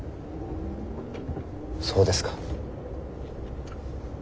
そうですか。